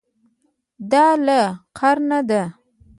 دا له قرانه ده.